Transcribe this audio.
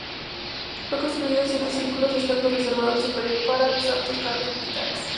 Fue construido en siete círculos, estando reservado el superior para los altos cargos militares.